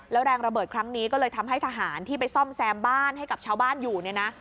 แล้วแรงระเบิดครั้งนี้ก็เลยทำให้ทหารที่ไปซ่อมแซมบ้านให้กับชาวบ้านอยู่เนี่ยนะ